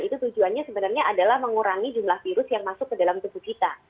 itu tujuannya sebenarnya adalah mengurangi jumlah virus yang masuk ke dalam tubuh kita